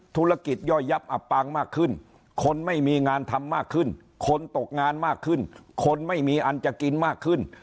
ธุรกิจย่อยยับอับปางมากขึ้นคนไม่มีงานทำมากขึ้นคนตกงานมากขึ้นคนไม่มีอันจะกินมากขึ้น